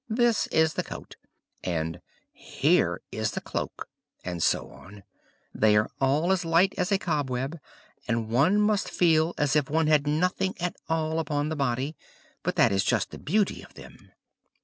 "This is the coat!" and "Here is the cloak!" and so on. "They are all as light as a cobweb, and one must feel as if one had nothing at all upon the body; but that is just the beauty of them."